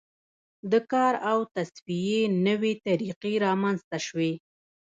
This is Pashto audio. د کار او تصفیې نوې طریقې رامنځته شوې.